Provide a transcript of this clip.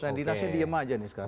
kan dinasnya diem aja nih sekarang